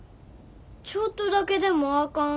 ちょっとだけでもあかん？